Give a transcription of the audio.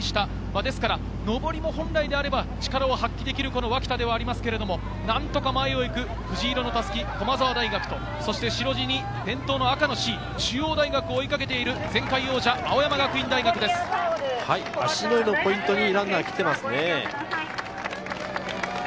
ですから上りも本来なら力を発揮できる脇田ですが、なんとか前を行く藤色の襷、駒澤大学と白地に伝統の赤のＣ、中央大学を追いかけている前回王芦之湯のポイントにランナーがきています。